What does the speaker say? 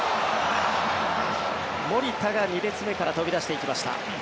守田が２列目から飛び出していきました。